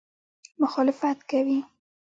مخالفت کوي.